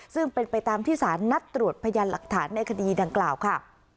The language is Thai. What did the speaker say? ซึ่งเป็นไปตามที่สารนัดตรวจพยานหลักฐานในคดีดังกล่าวค่ะ